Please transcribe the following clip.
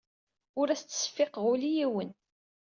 Ur as-ttseffiqeɣ ula i yiwen.